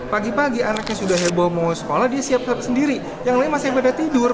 pagi pagi anaknya sudah heboh mau sekolah dia siap siap sendiri yang lain masih pada tidur